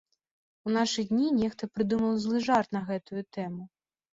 У нашы дні нехта прыдумаў злы жарт на гэтую тэму.